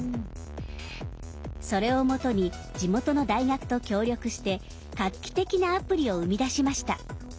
それを基に地元の大学と協力して画期的なアプリを生み出しました。